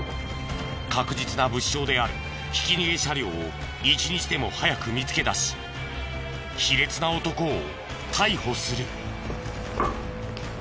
確実な物証であるひき逃げ車両を一日でも早く見つけ出し卑劣な男を逮捕する。